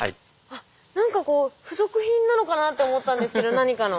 あっ何かこう付属品なのかなと思ったんですけど何かの。